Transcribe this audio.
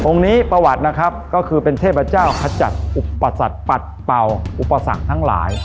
นี้ประวัตินะครับก็คือเป็นเทพเจ้าขจัดอุปสรรคปัดเป่าอุปสรรคทั้งหลาย